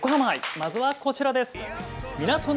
まずはこちらです。